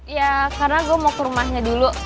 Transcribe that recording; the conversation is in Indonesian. ya karena gue mau ke rumahnya dulu